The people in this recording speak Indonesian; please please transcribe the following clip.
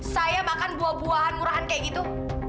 saya makan buah buahan murahan kayak gitu